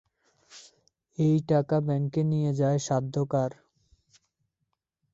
এ টাকা ব্যাঙ্কে নিয়ে যায় সাধ্য কার?